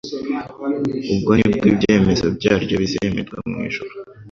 ubwo nibwo ibyemezo byaryo bizemerwa mu ijuru.